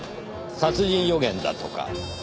殺人予言だとか。